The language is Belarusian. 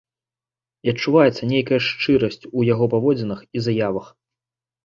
І адчуваецца нейкая шчырасць у яго паводзінах і заявах.